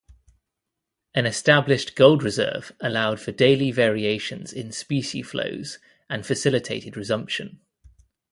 An established gold reserve allowed for daily variations in specie flows and facilitated resumption.